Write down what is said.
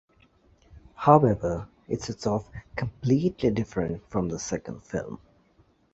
However, it sets off completely different from the second film.